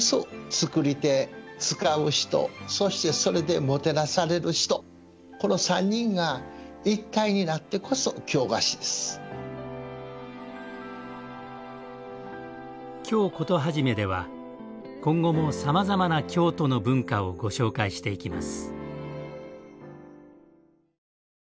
あくまでも「京コトはじめ」では今後もさまざまな京都の文化をご紹介していきます。